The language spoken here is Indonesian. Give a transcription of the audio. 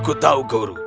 aku tahu guru